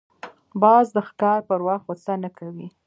باز د ښکار پر وخت غوسه نه کوي